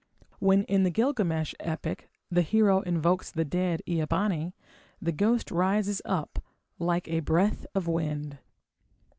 When, in the Gilgamesh epic, the hero invokes the dead Ea bani, the ghost rises up like a "breath of wind".